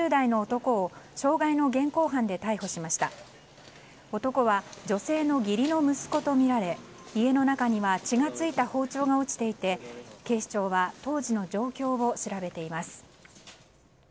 男は女性の義理の息子とみられ家の中には血が付いた包丁が落ちていて警視庁は当時の状況を調べています。